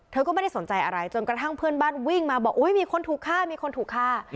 ก็ไม่ได้สนใจอะไรจนกระทั่งเพื่อนบ้านวิ่งมาบอกมีคนถูกฆ่ามีคนถูกฆ่า